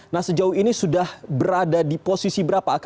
nah sejauh ini sudah berada di posisi berapa